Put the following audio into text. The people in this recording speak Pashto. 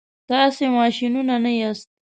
تاسي ماشینونه نه یاست.